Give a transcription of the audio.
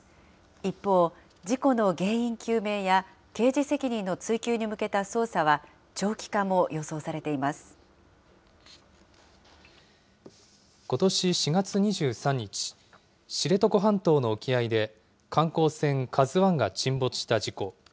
一方、事故の原因究明や刑事責任の追及に向けた捜査は長期化も予想されことし４月２３日、知床半島の沖合で観光船、ＫＡＺＵＩが沈没した事故。